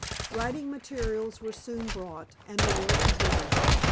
Writing materials were soon brought, and the work began.